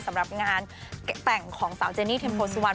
สำหรับงานแต่งของสาวเจนี่เทมโพสุวรรณ